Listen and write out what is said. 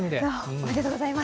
おめでとうございます。